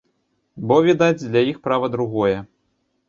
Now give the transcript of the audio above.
Бо, відаць, для іх права другое.